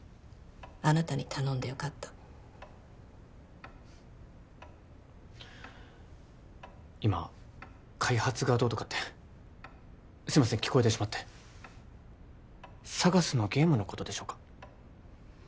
あなたに頼んでよかった今開発がどうとかってすいません聞こえてしまってＳＡＧＡＳのゲームのことでしょうか？